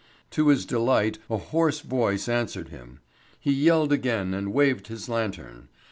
] To his delight a hoarse voice answered him. He yelled again and waved his lantern.